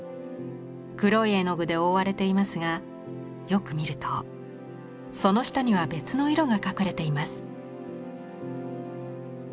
黒い絵の具で覆われていますがよく見るとその下には別の色が隠れています。